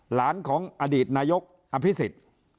หลานของอดีตนายกอภิษฎ